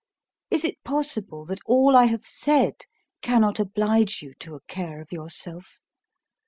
Is it possible that all I have said cannot oblige you to a care of yourself?